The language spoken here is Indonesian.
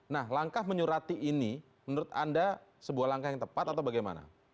nah langkah menyurati ini menurut anda sebuah langkah yang tepat atau bagaimana